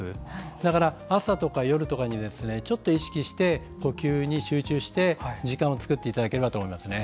だから、朝とか夜とかにちょっと意識して呼吸に集中して時間を作っていただけたらと思います。